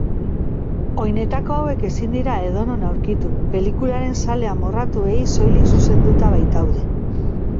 Oinetako hauek ezin dira edonon aurkitu, pelikularen zale amorratuei soilik zuzenduta baitaude.